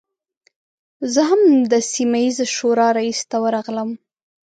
زه هم د سیمه ییزې شورا رئیس ته ورغلم.